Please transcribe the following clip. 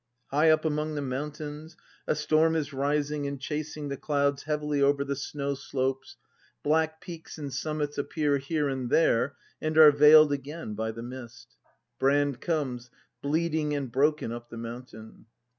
High up among the mountains. A storm is rising and chasing the clouds heavily over the snow slopes; ACT V] BRAND 285 black peaks and summits appear Iiere and tliere, and are veiled again by the mist. Brand comes, bleeding and broken, up the mountain.